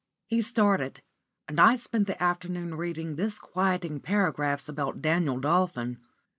He started, and I spent the afternoon reading disquieting paragraphs about Daniel Dolphin.